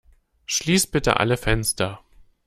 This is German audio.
Schließ bitte alle Fenster!